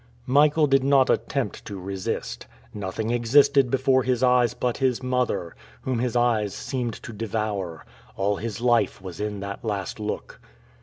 Michael did not attempt to resist. Nothing existed before his eyes but his mother, whom his eyes seemed to devour. All his life was in that last look.